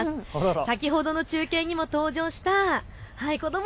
先ほど中継にもありました子ども